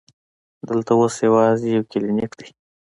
دلته اوس یوازې یو کلینک دی.